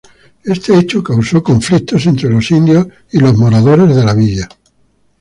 Este hecho causó conflictos entres los indios y los moradores de la villa.